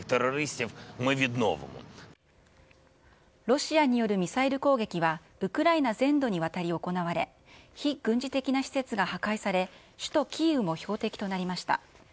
ロシアによるミサイル攻撃は、ウクライナ全土にわたり行われ、非軍事的な施設が破壊され、首都キーウも標的となりました。